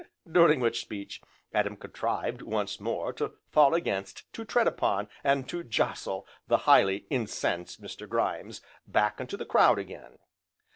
During which speech, Adam contrived, once more, to fall against, to tread upon, and to jostle the highly incensed Mr. Grimes back into the crowd again.